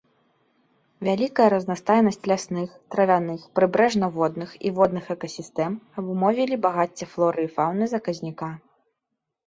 Вялікая разнастайнасць лясных, травяных, прыбярэжна-водных і водных экасістэм абумовілі багацце флоры і фаўны заказніка.